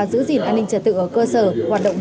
giữ gìn an ninh trật tự ở cơ sở hoạt động